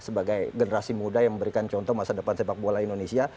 sebagai generasi muda yang memberikan contoh masa depan sepak bola indonesia